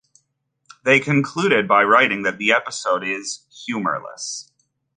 They concluded by writing that the episode is "humourless".